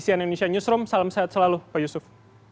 cnn indonesia newsroom salam sehat selalu pak yusuf